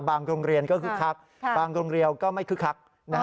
โรงเรียนก็คึกคักบางโรงเรียนก็ไม่คึกคัก